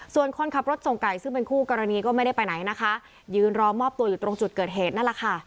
ส่วนคนขับรถส่งไก่ซึ่งเป็นคู่กรณีก็ไม่ได้ไปไหนนะคะยืนรอมอบตัวอยู่ตรงจุดเกิดเหตุนั่นแหละค่ะ